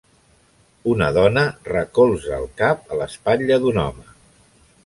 Una dona recolza el cap a l'espatlla d'un home.